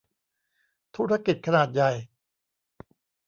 ธุรกิจขนาดใหญ่